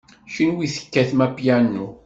Kenwi tekkatem apyanu.